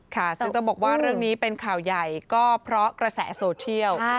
ค่ะซึ่งต้องบอกว่าเรื่องนี้เป็นข่าวใหญ่ก็เพราะกระแสโซเชียล